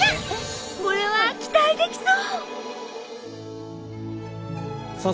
これは期待できそう！